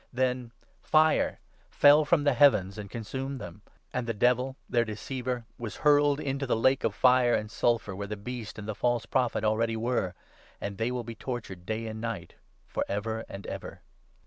Then fire fell from the heavens and consumed them ; and the Devil, 10 their deceiver, was hurled into the lake of fire and sulphur, where the Beast and the false Prophet already were, and they will be tortured day and night for ever and ever.